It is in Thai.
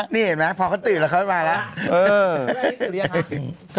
นี่เห็นไหมพอเขาตื่นเขาน่ะเขาไม่มาแล้ว